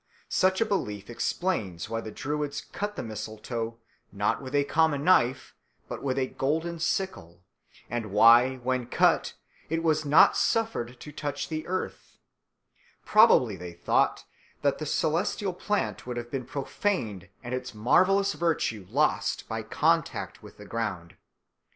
Such a belief explains why the Druids cut the mistletoe, not with a common knife, but with a golden sickle, and why, when cut, it was not suffered to touch the earth; probably they thought that the celestial plant would have been profaned and its marvellous virtue lost by contact with the ground.